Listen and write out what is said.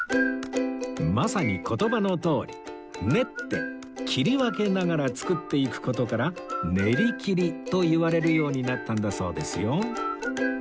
まさに言葉のとおり練って切り分けながら作っていく事から「練り切り」といわれるようになったんだそうですよ